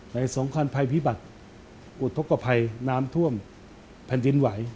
สำคัญภัยพิบัติอุทธกภัยน้ำท่วมแผ่นดินไหว